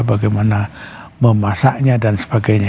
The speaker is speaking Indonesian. bagaimana memasaknya dan sebagainya